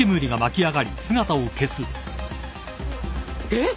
えっ？